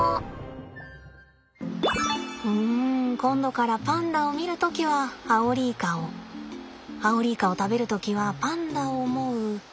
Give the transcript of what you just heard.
うん今度からパンダを見る時はアオリイカをアオリイカを食べる時はパンダを思う